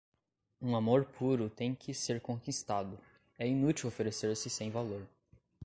Um amor puro tem que ser conquistado, é inútil oferecer-se sem valor.